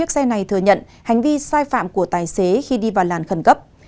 xe này thừa nhận hành vi sai phạm của tài xế khi đi vào làn khẩn cấp